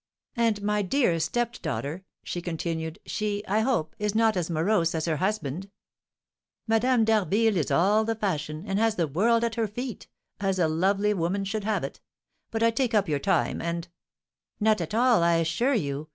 "And my dear stepdaughter," she continued, "she, I hope, is not as morose as her husband?" "Madame d'Harville is all the fashion, and has the world at her feet, as a lovely woman should have. But I take up your time, and " "Not at all, I assure you.